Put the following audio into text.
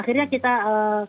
akhirnya kita klub